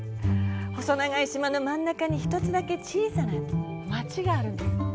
細長い島の真ん中に１つだけ小さな街があるんです。